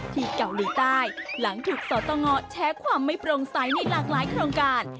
ที่เกาหลีใต้หลังถูกสตงแชร์ความไม่โปร่งใสในหลากหลายโครงการ